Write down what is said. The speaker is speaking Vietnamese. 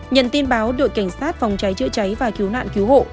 nhận tin báo đội cảnh sát phòng cháy chữa cháy và cứu nạn cứu hộ